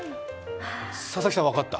佐々木さん、分かった？